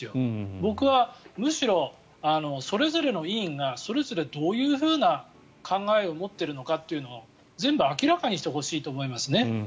僕はむしろそれぞれの委員がそれぞれどういうふうな考えを持っているのかというのを全部明らかにしてほしいと思いますね。